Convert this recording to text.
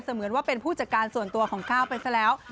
เหมือนว่าเป็นผู้จัดการส่วนตัวของก้าวไปซะแล้ว